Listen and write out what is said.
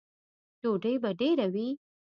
_ډوډۍ به ډېره وي؟